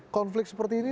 konflik seperti ini